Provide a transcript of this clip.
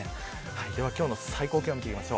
では今日の最高気温です。